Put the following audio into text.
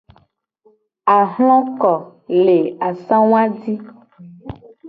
Ahloko le asangu a ji.